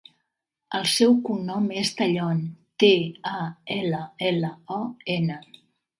El seu cognom és Tallon: te, a, ela, ela, o, ena.